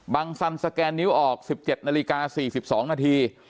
สันสแกนนิ้วออก๑๗นาฬิกา๔๒นาที